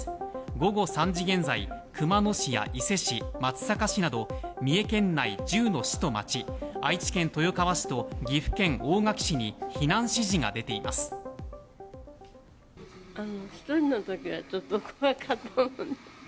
午後３時現在、熊野市や伊勢市、松阪市など、三重県内１０の市と町、愛知県豊川市と岐阜県大垣市に避難指示が１人のときはちょっと怖かったもんで。